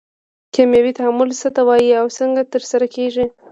کیمیاوي تعامل څه ته وایي او څنګه ترسره کیږي